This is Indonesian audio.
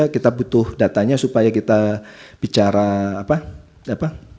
kita butuh datanya supaya kita bicara apa